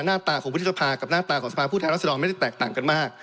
หน้าตาของวุฒิสภากับหน้าตาที่สภาธิปุธฎรรศาสตรอลไม่ได้แตกต่างกันมาก